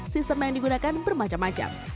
sistem yang digunakan bermacam macam